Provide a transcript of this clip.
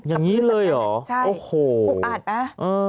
อย่างนี้เลยเหรอโอ้โฮอุอาจไหมอืม